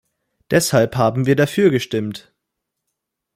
Deshalb haben wir dafür gestimmt!